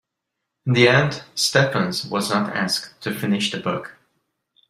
In the end, Stephens was not asked to finish the book.